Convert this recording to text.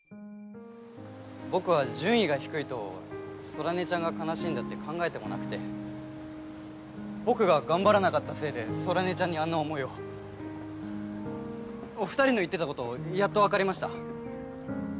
僕は順位が低いと空音ちゃんが悲しいんだって考えてもなくて僕が頑張らなかったせいで空音ちゃんにあんな思いをお２人の言ってたことやっと分かりました